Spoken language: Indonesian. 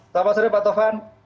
selamat sore pak taufan